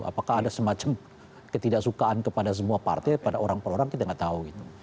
apakah ada semacam ketidaksukaan kepada semua partai pada orang per orang kita nggak tahu gitu